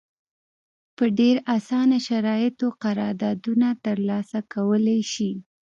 په ډېر اسانه شرایطو قراردادونه ترلاسه کولای شي.